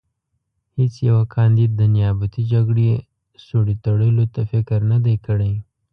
هېڅ یوه کاندید د نیابتي جګړې سوړې تړلو ته فکر نه دی کړی.